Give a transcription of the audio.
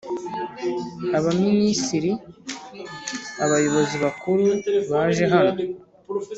Abaminisiri Abayobozi Bakuru baje hano